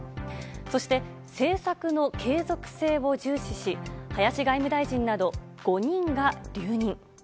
そして、政策の継続性を重視し、林外務大臣など、５人が留任。